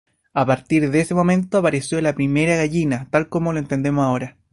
A partir de ese momento apareció la primera gallina, tal como lo entendemos ahora.